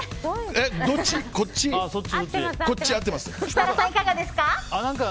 設楽さん、いかがですか？